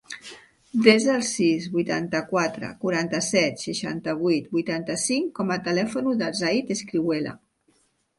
Desa el sis, vuitanta-quatre, quaranta-set, seixanta-vuit, vuitanta-cinc com a telèfon del Zayd Escrihuela.